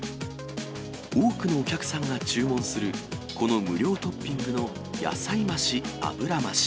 多くのお客さんが注文する、この無料トッピングの野菜増し、脂増し。